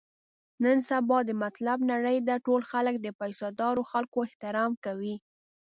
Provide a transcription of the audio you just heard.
نن سبا د مطلب نړۍ ده، ټول خلک د پیسه دارو خلکو احترام کوي.